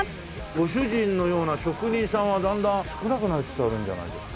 ご主人のような職人さんはだんだん少なくなりつつあるんじゃないですか？